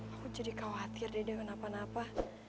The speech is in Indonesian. aku jadi khawatir deh dengan apa apa